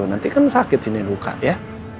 nanti kan sakit sini duka ya